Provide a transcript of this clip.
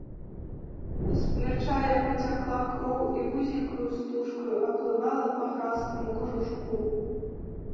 З пляча яго цякла кроў і вузенькаю стужкаю аплывала па гразкаму кажушку.